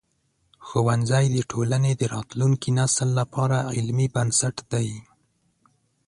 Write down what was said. ښوونځی د ټولنې د راتلونکي نسل لپاره علمي بنسټ دی.